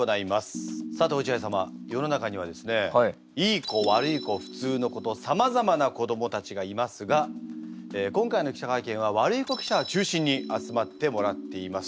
世の中にはですねいい子悪い子普通の子とさまざまな子どもたちがいますが今回の記者会見は悪い子記者を中心に集まってもらっています。